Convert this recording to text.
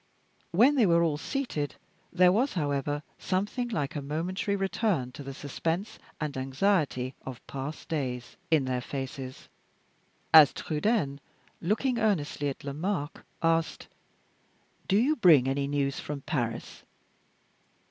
When they were all seated, there was, however, something like a momentary return to the suspense and anxiety of past days in their faces, as Trudaine, looking earnestly at Lomaque, asked, "Do you bring any news from Paris?"